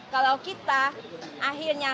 kalau kita akhirnya